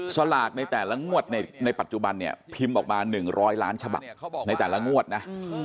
สลากในแต่ละงวดในปัจจุบันเนี่ยพิมพ์ออกมา๑๐๐ล้านฉบับในแต่ละงวดนะ